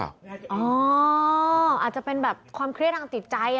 อ้าวอาจจะเป็นความเครียดอังติดใจ